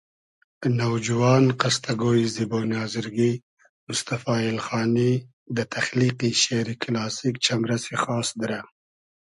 نوجوان قستۂ گۉیی زیبونی آزرگی موستئفا ایلخانی دۂ تئخلیقی شېری کیلاسیک چئمرئسی خاس دیرۂ